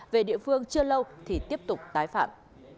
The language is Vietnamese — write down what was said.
về địa phương chưa lâu thì tiếp tục tái phạm